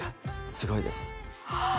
すごいですはあ